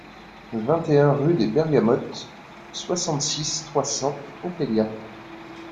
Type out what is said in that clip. vingt et un rue des Bergamotes, soixante-six, trois cents, Ponteilla